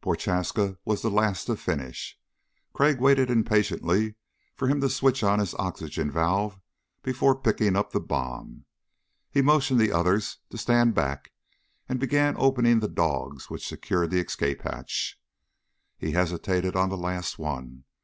Prochaska was the last to finish. Crag waited impatiently for him to switch on his oxygen valve before picking up the bomb. He motioned the others to stand back and began opening the dogs which secured the escape hatch. He hesitated on the last one.